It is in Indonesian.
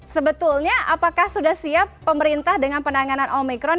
sebetulnya apakah sudah siap pemerintah dengan perubahan